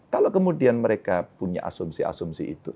kalau kemudian mereka punya asumsi asumsi itu